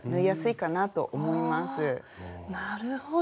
なるほど。